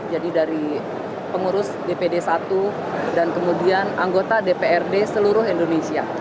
jadi dari pengurus dpd satu dan kemudian anggota dprd seluruh indonesia